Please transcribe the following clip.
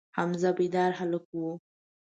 حمزه بیداره هلک و.